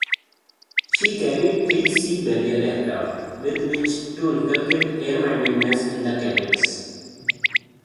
She carried three Sea Balliol aircraft with which to inculcate air-mindedness in the cadets.